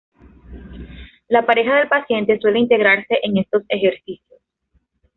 La pareja del paciente suele integrarse en estos ejercicios.